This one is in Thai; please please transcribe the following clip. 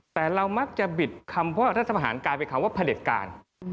แต่เรามักจะบิดคำเพราะรัฐประหารกลายเป็นคำว่าพระเด็จการ